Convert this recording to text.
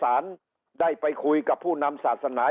สารได้ไปคุยกับผู้นำศาสนา